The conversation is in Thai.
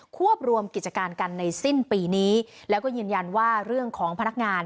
วบรวมกิจการกันในสิ้นปีนี้แล้วก็ยืนยันว่าเรื่องของพนักงาน